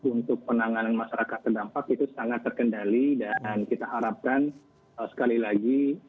untuk penanganan masyarakat terdampak itu sangat terkendali dan kita harapkan sekali lagi